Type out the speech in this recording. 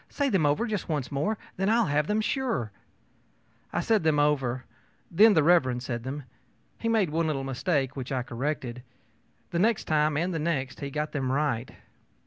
Say them over just once more, and then I'll have them, sure.ö I said them over. Then Mr. said them. He made one little mistake, which I corrected. The next time and the next he got them right.